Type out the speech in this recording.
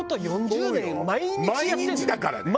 毎日だからね。